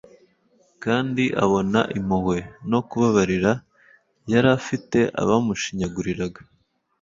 kandi abona impuhwe no kubabarira yari afitiye abamushinyaguriraga